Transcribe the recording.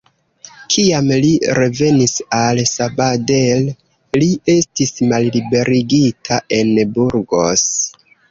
Kiam li revenis al Sabadell, li estis malliberigita en Burgos.